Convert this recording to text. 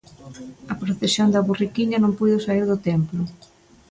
A procesión da Burriquiña non puido saír do templo.